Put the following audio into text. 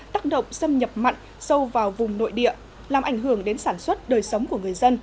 tác động xâm nhập mặn sâu vào vùng nội địa làm ảnh hưởng đến sản xuất đời sống của người dân